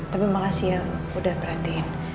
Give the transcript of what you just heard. tapi malah siang udah perhatiin